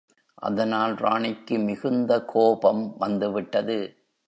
அதனால் ராணிக்கு மிகுந்த கோபம் வந்துவிட்டது.